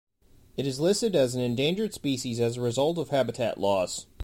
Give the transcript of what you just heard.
It is listed as an endangered species as a result of habitat loss.